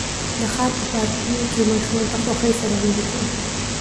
د ښار په پارکونو کې ماشومان په خوښۍ سره لوبې کوي.